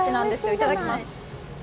いただきます。